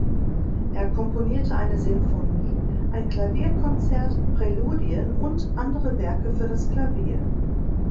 Er komponierte eine Sinfonie, ein Klavierkonzert, Präludien und andere Werke für das Klavier.